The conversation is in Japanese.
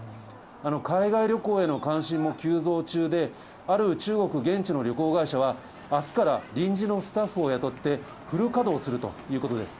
海外旅行への関心も急増中で、ある中国現地の旅行会社は、あすから臨時のスタッフを雇って、フル稼働するということです。